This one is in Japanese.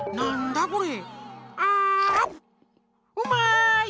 うまい！